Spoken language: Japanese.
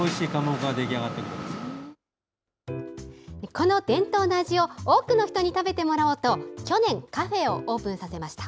この伝統の味を多くの人に食べてもらおうと去年、カフェをオープンさせました。